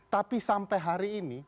tapi sampai hari ini